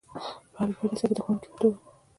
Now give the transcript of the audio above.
په حبیبیه لیسه کې د ښوونکي په توګه.